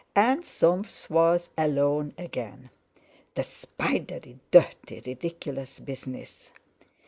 And Soames was alone again. The spidery, dirty, ridiculous business!